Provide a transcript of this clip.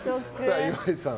岩井さん。